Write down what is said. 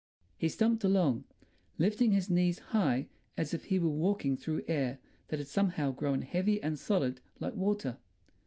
He stumped along, lifting his knees high as if he were walking through air that had somehow grown heavy and solid like water.